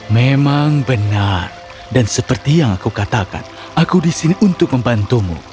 memang benar dan seperti yang aku katakan aku disini untuk membantumu